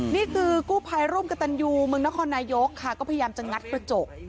นี่คือกู้ภัยร่วมกับตันยูเมืองนครนายกค่ะก็พยายามจะงัดกระจก